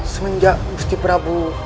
semenjak musti perabu